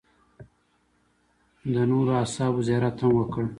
د نورو اصحابو زیارت هم وکړ.